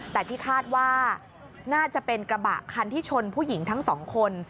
แต่ที่คาดว่าน่าจะเป็นกระบะคันที่ชนผู้หญิงทั้งสองคน